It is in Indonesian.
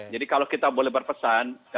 jadi kalau kita boleh berpesan